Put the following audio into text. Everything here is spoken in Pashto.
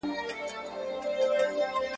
نیازمند به واړه سره پخلا کړي